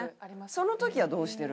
その時はどうしてる？